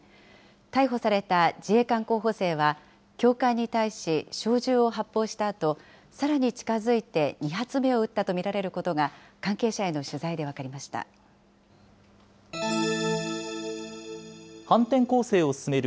逮捕された自衛官候補生は教官に対し小銃を発砲したあと、さらに近づいて２発目を撃ったと見られることが、関係者への取材で分か反転攻勢を進める